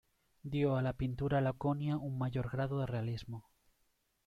Dio a la pintura laconia un mayor grado de realismo.